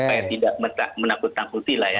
supaya tidak menakut takuti lah ya